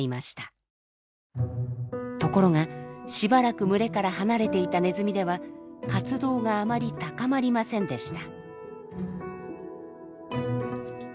ところがしばらく群れから離れていたネズミでは活動があまり高まりませんでした。